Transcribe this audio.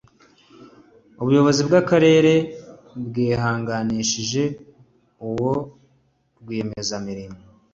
Ubuyobozi bw Akarere bwihanangirije uwo rwiyemezamirimo